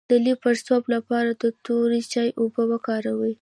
د لۍ د پړسوب لپاره د تور چای اوبه وکاروئ